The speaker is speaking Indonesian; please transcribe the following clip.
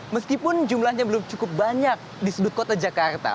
meskipun jumlahnya belum cukup banyak di sudut kota jakarta